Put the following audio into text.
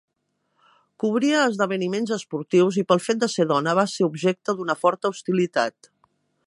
Cobria esdeveniments esportius i, pel fet de ser dona, va ser objecte d'una forta hostilitat.